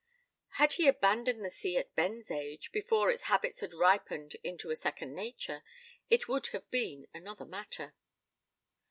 Had he abandoned the sea at Ben's age, before its habits had ripened into a second nature, it would have been another matter.